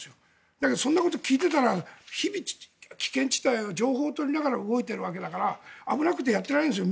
だけど、そんなこと聞いていたら日々、危険地帯を情報を取りながら動いているわけだから危なくてやってられないんですよ